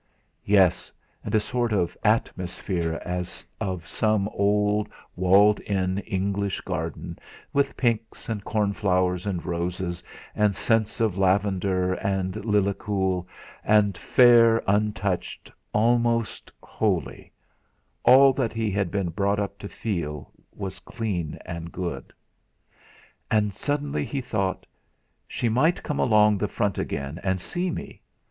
Yes, and a sort of atmosphere as of some old walled in English garden, with pinks, and cornflowers, and roses, and scents of lavender and lilaccool and fair, untouched, almost holy all that he had been brought up to feel was clean and good. And suddenly he thought: 'She might come along the front again and see me!'